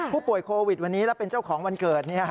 ผู้ป่วยโควิดวันนี้แล้วเป็นเจ้าของวันเกิด